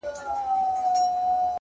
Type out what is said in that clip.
جذبه د میرویس خان او احمد شاه ده راسره